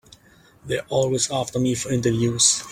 They're always after me for interviews.